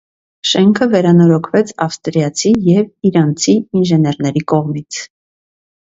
Շենքը վերանորոգվեց ավստրիացի և իրանցի ինժեներների կողմից։